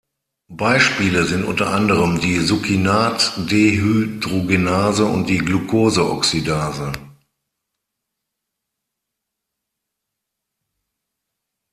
Beispiele sind unter anderem die Succinat-Dehydrogenase und die Glucose-Oxidase.